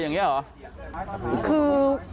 อย่างเงี้ยหรอคือ